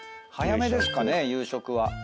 早めですかね夕食は。